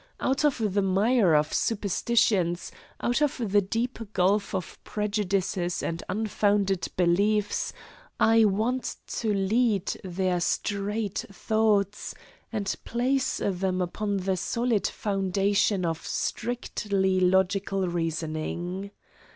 Out of the mire of superstitions, out of the deep gulf of prejudices and unfounded beliefs, I want to lead their strayed thoughts and place them upon the solid foundation of strictly logical reasoning.